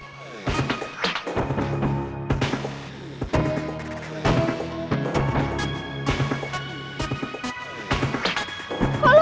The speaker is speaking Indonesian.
nona aku mau pergi